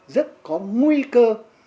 rất có nguy cơ